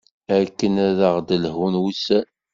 Akken ad aɣ-d-lhun wusan.